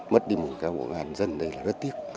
mất đi một cán bộ công an dân này là rất tiếc